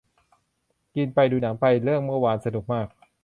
กินไปดูหนังไป เรื่องเมื่อวานสนุกมาก